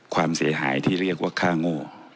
ความเสียหายที่เรียกว่าค่าโง่